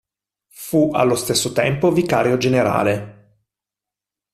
Fu allo stesso tempo vicario generale.